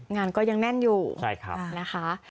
งานก็ยังแน่นอยู่นะคะใช่ครับ